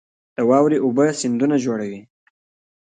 د واورې اوبه سیندونه جوړوي